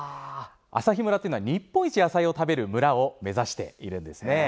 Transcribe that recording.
朝日村というのは日本一、野菜を食べる村を目指しているんですね。